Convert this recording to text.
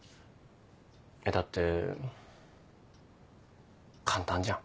だって簡単じゃん。